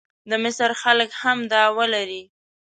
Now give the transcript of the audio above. د مصر خلک هم دعوه لري.